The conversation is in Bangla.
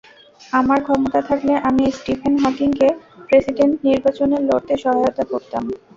আমার ক্ষমতা থাকলে আমি স্টিফেন হকিংকে প্রেসিডেন্ট নির্বাচনে লড়তে সহায়তা করতাম।